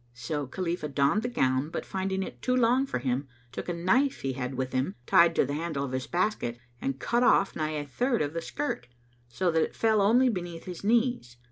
So Khalifah donned the gown, but finding it too long for him, took a knife he had with him, tied to the handle of his basket, [FN#222] and cut off nigh a third of the skirt, so that it fell only beneath his knees.